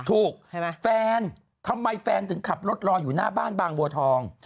ถูกแฟนทำไมแฟนถึงขับรถรออยู่หน้าบ้านบางบัวทอง